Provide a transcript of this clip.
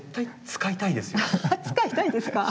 使いたいですか？